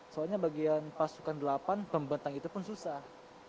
soalnya bagian pasukan delapan pembentang itu pun susah